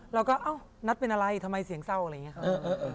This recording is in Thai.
เราก็เอ้านัทเป็นอะไรทำไมเสียงเศร้าอะไรอย่างนี้ครับ